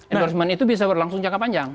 endorsement itu bisa berlangsung jangka panjang